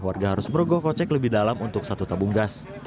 warga harus merogoh kocek lebih dalam untuk satu tabung gas